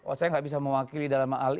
oh saya gak bisa mewakili dalam hal itu